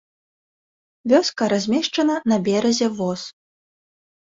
Вёска размешчана на беразе воз.